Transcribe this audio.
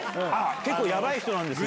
結構ヤバい人なんですね！